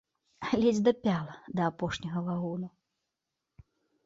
Ледзь дапяла да апошняга вагону.